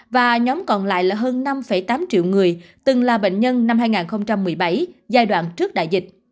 và nhóm còn lại là hơn năm tám triệu người từng là bệnh nhân năm